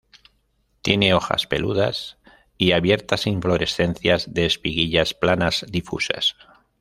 Tiene hojas peludas y abiertas inflorescencias de espiguillas planas difusas.